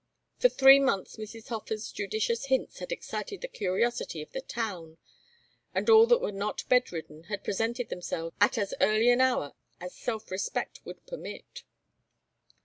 For three months Mrs. Hofer's judicious hints had excited the curiosity of the town, and all that were not bedridden had presented themselves at as early an hour as self respect would permit.